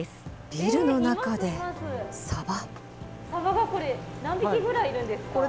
ビルの中でサバ。